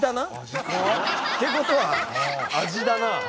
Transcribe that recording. って事は味だな。